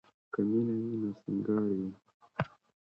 که مینه وي نو سینګار وي.